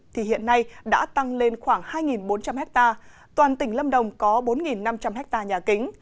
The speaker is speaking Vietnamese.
thì hiện nay đã tăng lên khoảng hai bốn trăm linh hectare toàn tỉnh lâm đồng có bốn năm trăm linh ha nhà kính